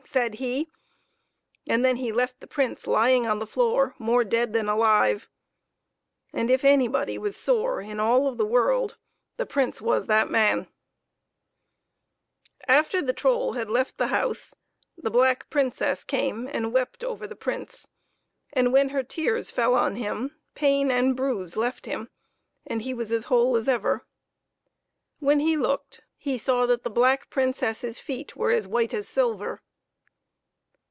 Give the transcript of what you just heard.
said he, and then he left the Prince lying on the floor more dead than alive ; and if anybody was sore in all of the world, the Prince was that man. 94 PEPPER AND SALT. After the troll had left the house, the black Princess came and wept over the Prince ; and when her tears fell on him, pain and bruise left him, and he was as whole as ever. When he looked he saw that the black Princess's feet were as white as silver.